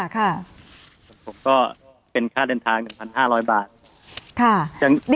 ผมก็เป็นค่าเดินทาง๑๕๐๐บาท